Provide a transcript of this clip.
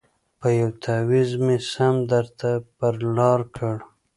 په یوه تعویذ مي سم درته پر لار کړ